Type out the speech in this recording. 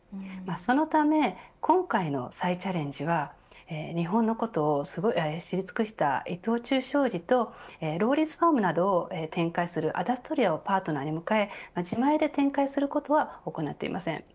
そのため、今回の再チャレンジは日本のことを知り尽くした伊藤忠商事とローリーズファームなどを展開するアダストリアをパートナーに迎え、自前で展開することは行っていません。